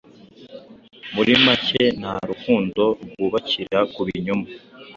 muri make nta rukundo rwubakira ku binyoma